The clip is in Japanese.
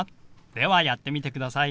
ではやってみてください。